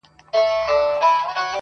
o خبر اوسه چي دي نور ازارومه,